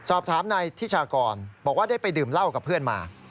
สอบถามนายทิชากรบอกว่าได้ไปดื่มเหล้ากับเพื่อนมา